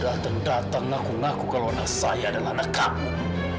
datang ngaku ngaku kalau anak saya adalah anak kaku